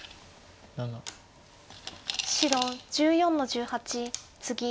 白１４の十八ツギ。